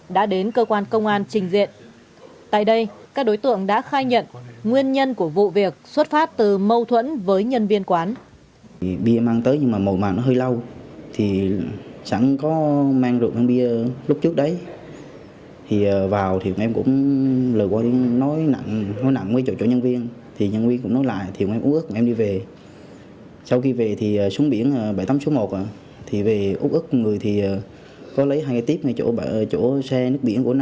các cơ quan công an trình diện tại đây các đối tượng đã khai nhận nguyên nhân của vụ việc xuất phát từ mâu thuẫn với nhân viên quán